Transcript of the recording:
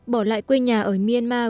bỏ lại quê nhà ở myanmar